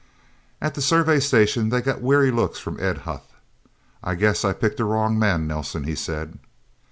At the Survey Station they got weary looks from Ed Huth. "I guess I picked a wrong man, Nelsen," he said.